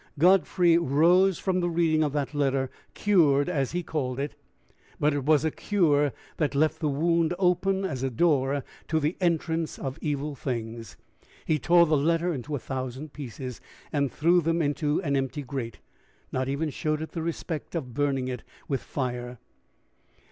Godfrey rose form the reading of that letter cured, as he called it. But it was a cure that left the wound open as a door to the entrance of evil things. He tore the letter into a thousand pieces, and throw them into the empty grate not even showed it the respect of burning it with fire.